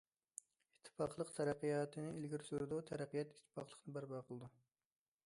ئىتتىپاقلىق تەرەققىياتنى ئىلگىرى سۈرىدۇ، تەرەققىيات ئىتتىپاقلىقنى بەرپا قىلىدۇ.